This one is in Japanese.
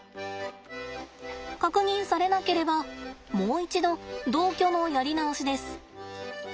確認されなければもう一度同居のやり直しです。